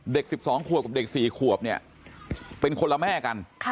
เด็ก๑๒ขวบกับเด็ก๔ขวบเป็นคนละแม่กัน